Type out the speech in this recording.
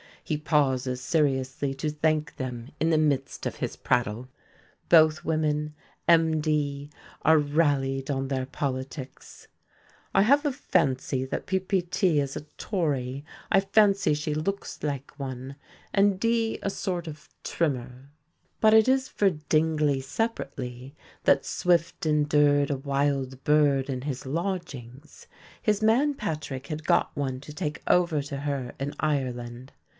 He pauses seriously to thank them in the midst of his prattle. Both women MD are rallied on their politics: "I have a fancy that Ppt is a Tory, I fancy she looks like one, and D a sort of trimmer." But it is for Dingley separately that Swift endured a wild bird in his lodgings. His man Patrick had got one to take over to her in Ireland.